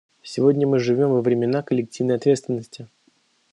Сегодня мы живем во времена коллективной ответственности.